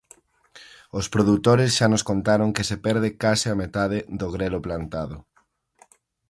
Os produtores xa nos contaron que se perde case a metade do grelo plantado.